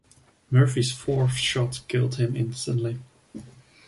Murphy's fourth shot killed him instantly.